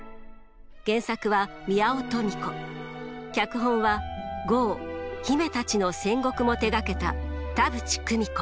原作は宮尾登美子脚本は「江姫たちの戦国」も手がけた田渕久美子。